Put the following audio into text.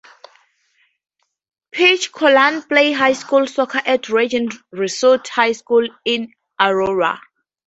Pitchkolan played high school soccer at Regis Jesuit High School in Aurora.